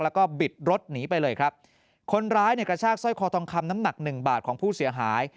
แล้วก็บิดรถหนีไปเลยครับคนร้ายเนี่ยกระชากสร้อยคอทองคำน้ำหนักหนึ่งบาทของผู้เสียหาย